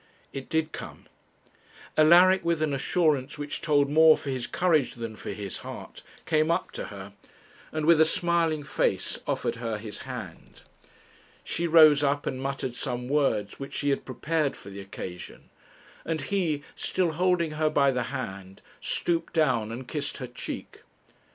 It did come; Alaric, with an assurance which told more for his courage than for his heart, came up to her, and with a smiling face offered her his hand. She rose up and muttered some words which she had prepared for the occasion, and he, still holding her by the hand, stooped down and kissed her cheek.